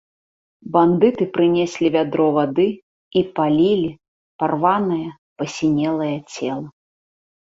Бандыты прынеслі вядро вады і палілі парванае, пасінелае цела.